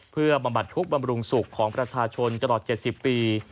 เพื่อบำบัดทุกข์บำรุงสุขของประชาชนตลอด๗๐ปี